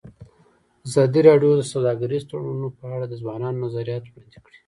ازادي راډیو د سوداګریز تړونونه په اړه د ځوانانو نظریات وړاندې کړي.